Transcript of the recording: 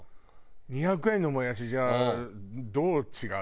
２００円のもやしじゃあどう違うの？